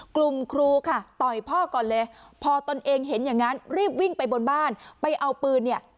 ครูค่ะต่อยพ่อก่อนเลยพอตนเองเห็นอย่างนั้นรีบวิ่งไปบนบ้านไปเอาปืนเนี่ย